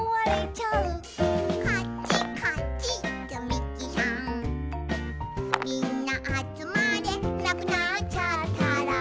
みんなあつまれ」「なくなっちゃったら」